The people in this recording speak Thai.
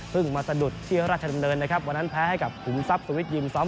มาสะดุดที่ราชดำเนินนะครับวันนั้นแพ้ให้กับขุมทรัพย์สุวิทยิมซ้อม